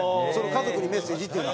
家族にメッセージっていうの。